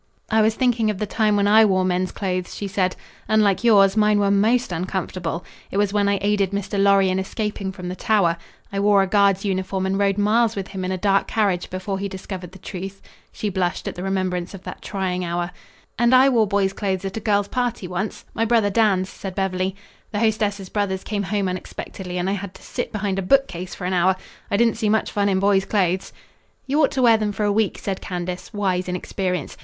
"I was thinking of the time when I wore men's clothes," she said. "Unlike yours, mine were most uncomfortable. It was when I aided Mr. Lorry in escaping from the tower. I wore a guard's uniform and rode miles with him in a dark carriage before he discovered the truth." She blushed at the remembrance of that trying hour. "And I wore boy's clothes at a girl's party once my brother Dan's," said Beverly. "The hostess's brothers came home unexpectedly and I had to sit behind a bookcase for an hour. I didn't see much fun in boy's clothes." "You ought to wear them for a week," said Candace, wise in experience.